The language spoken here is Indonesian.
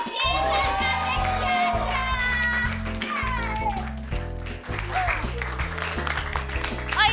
bianca terima kasih banyak